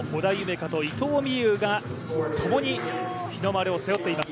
海と伊藤美優がともに日の丸を背負っています。